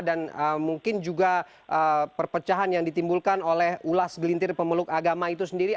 dan mungkin juga perpecahan yang ditimbulkan oleh ulas gelintir pemeluk agama itu sendiri